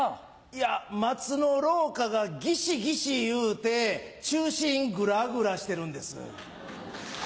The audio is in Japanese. いや松之廊下がギシギシいうてチュウシングラグラしてるんです。